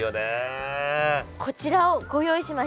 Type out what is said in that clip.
こちらをご用意しました！